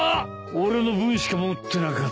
俺の分しか持ってなかった。